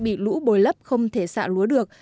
bị lũ bồi lấp không thể xạ lúa được